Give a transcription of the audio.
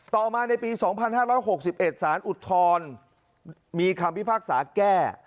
ต่อมาในปี๒๕๖๑สารอุทธรณ์มีคำพิพากษาแก้